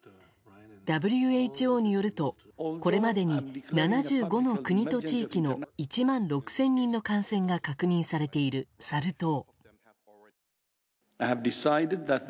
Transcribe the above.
ＷＨＯによるとこれまでに７５の国と地域の１万６０００人の感染が確認されている、サル痘。